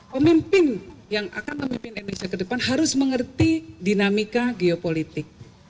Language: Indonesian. pemimpin yang akan memimpin indonesia ke depan harus mengerti dinamika geopolitik